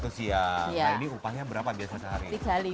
nah ini upahnya berapa biasa sehari